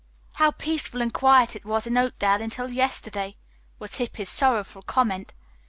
"How peaceful and quiet it was in Oakdale until yesterday," was Hippy's sorrowful comment.